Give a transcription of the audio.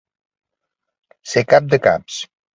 Ser cap de caps.